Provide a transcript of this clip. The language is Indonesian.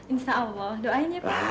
insya allah doain ya pak